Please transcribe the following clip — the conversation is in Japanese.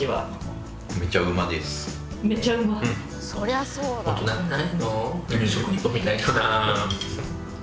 そりゃそうだわ。